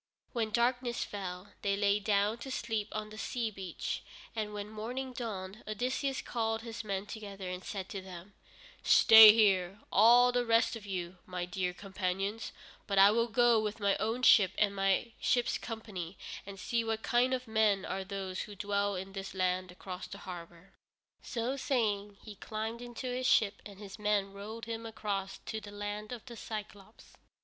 When darkness fell, they lay down to sleep on the sea beach, and when morning dawned Odysseus called his men together and said to them: "Stay here, all the rest of you, my dear companions, but I will go with my own ship and my ship's company and see what kind of men are those who dwell in this land across the harbor." So saying, he climbed into his ship, and his men rowed him across to the Land of the Cyclôpes.